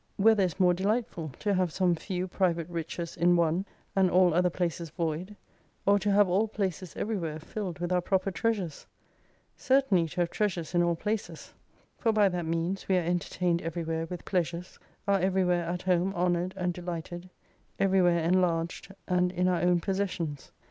Whether is more delightful ; to have some few private riches in one, and all other places void ; or to have all places everywhere filled with our proper treasures ? Certainly to have treasures in all places. For by that means we are entertained everywhere with pleasures, are everywhere at home honored and delighted, everywhere enlarged and in our own possessions.